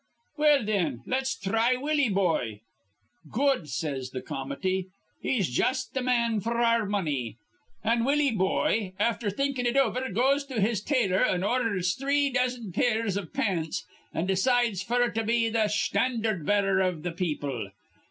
'Well, thin, let's thry Willie Boye.' 'Good,' says th' comity. 'He's jus' th' man f'r our money.' An' Willie Boye, after thinkin' it over, goes to his tailor an' ordhers three dozen pairs iv pants, an' decides f'r to be th' sthandard bearer iv th' people.